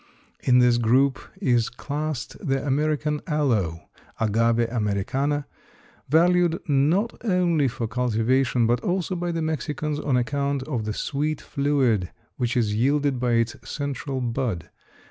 In this group is classed the American Aloe (Agave americana) valued not only for cultivation, but also by the Mexicans on account of the sweet fluid which is yielded by its central bud.